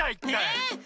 えっ。